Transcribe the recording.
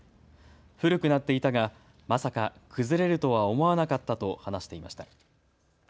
古くなっていたがまさか崩れるとは思わなかったと話していました。